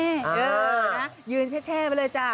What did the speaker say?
เออนะยืนแช่ไปเลยจ้ะ